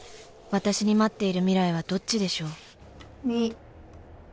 私に待っている未来はどっちでしょう？